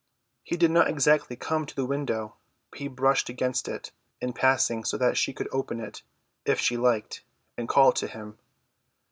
He did not exactly come to the window, but he brushed against it in passing so that she could open it if she liked and call to him.